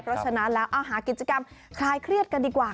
เพราะฉะนั้นแล้วเอาหากิจกรรมคลายเครียดกันดีกว่า